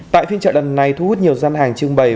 tại phiên chợ đần này thu hút nhiều dân hàng trưng bày